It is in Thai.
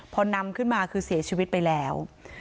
พอนำขึ้นมาคือเสียชีวิตไปแล้ว